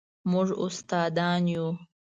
موږ استادان یو